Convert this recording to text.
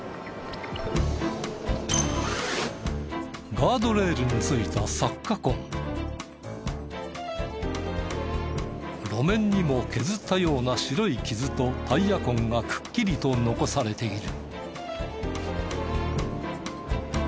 ガードレールについた路面にも削ったような白い傷とタイヤ痕がくっきりと残されている。